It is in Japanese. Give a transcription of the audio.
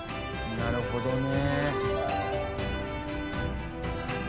「なるほどね」